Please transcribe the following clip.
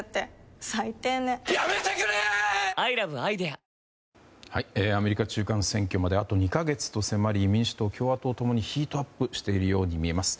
アメリカ中間選挙まであと２か月と迫り民主党、共和党共にヒートアップしているように見えます。